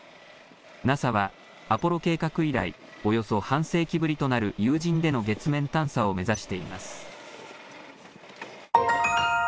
ＮＡＳＡはアポロ計画以来、およそ半世紀ぶりとなる有人での月面探査を目指しています。